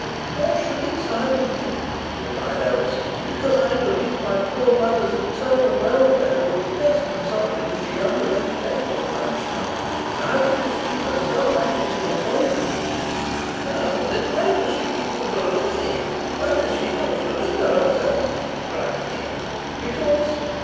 "Nor should it, sire, with me," replied Alizon "because I believe my poor mother's eternal welfare would be best consulted if she underwent temporal punishment. Neither is she herself anxious to avoid it." "Then why does she keep out of the way why does she not surrender herself?" cried the King.